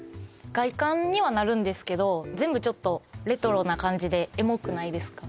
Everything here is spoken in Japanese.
外観にはなるんですけど全部レトロな感じでエモくないですか？